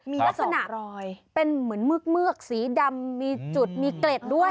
มีลักษณะรอยเป็นเหมือนเมือกสีดำมีจุดมีเกล็ดด้วย